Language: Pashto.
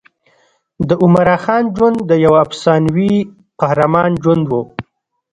د عمراخان ژوند د یوه افسانوي قهرمان ژوند و.